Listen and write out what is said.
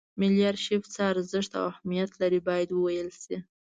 ملي ارشیف څه ارزښت او اهمیت لري باید وویل شي.